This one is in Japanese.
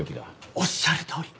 おっしゃるとおり。